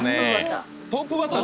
トップバッター。